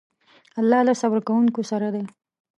الله له صبر کوونکو سره دی.